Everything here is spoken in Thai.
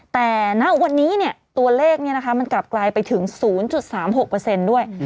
แต่ณวันนี้ตัวเลขมันกลับกลายไปถึง๐๓๖ด้วย